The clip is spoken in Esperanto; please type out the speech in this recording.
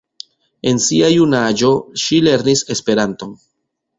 En sia junaĝo ŝi lernis Esperanton.